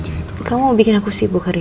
seperti kamu lalu setelah sampai kabnin